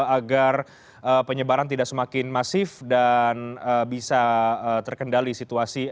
agar penyebaran tidak semakin masif dan bisa terkendali situasi